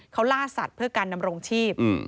เขาล่าสัตว์เพื่อการดำรงชีพ